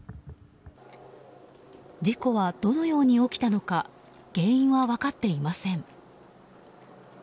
事故はどのように起きたのか原因は分かっていません。